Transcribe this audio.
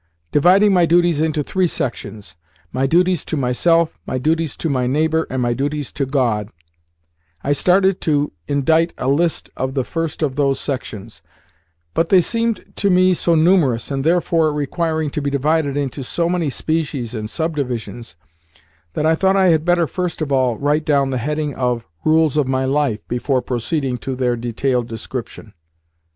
Dividing my duties into three sections my duties to myself, my duties to my neighbour, and my duties to God I started to indite a list of the first of those sections, but they seemed to me so numerous, and therefore requiring to be divided into so many species and subdivisions, that I thought I had better first of all write down the heading of "Rules of My Life" before proceeding to their detailed inscription.